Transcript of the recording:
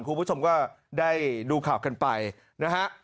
คุณผู้ชมก็ได้ดูข่าวกันไปนะฮะ